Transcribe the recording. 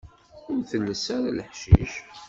Ur telles ara leḥcic.